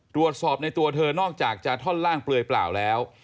ตรวจสอบในตัวเธอนอกจากจะท่อนล่างเปลือยเปล่าแล้ว